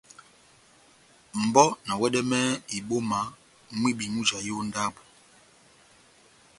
Mʼbɔ na wɛdɛmɛhɛ ibɔ́ma mwibi mujahi ó ndábo.